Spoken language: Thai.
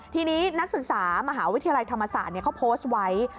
ทีนี้นักศึกษามหาวิทยาลัยธรรมศาสตร์เขาโพสต์ไว้